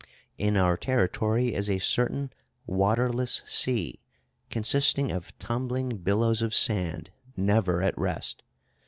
In our territory is a certain waterless sea, consisting of tumbling billows of sand never at rest.